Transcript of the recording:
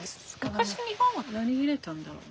昔日本は何入れたんだろうね？